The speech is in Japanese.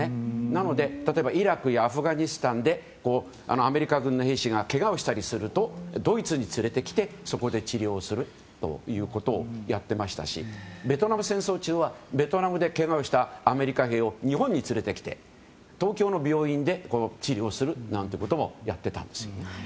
なのでイラクやアフガニスタンでアメリカ軍の兵士がけがをしたりするとドイツに連れてきてそこで治療するということをやっていましたしベトナム戦争中はベトナムでけがをしたアメリカ兵を日本に連れてきて、東京の病院で治療することもやっていたんです。